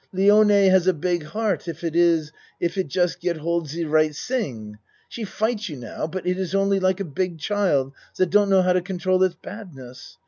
Lione has a big heart, if it is if it just get hold de right ting. She fight you now but it is only like a big child dat don't know how to control its badness.